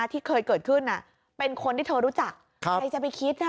ที่เคยเกิดขึ้นเป็นคนที่เธอรู้จักใครจะไปคิด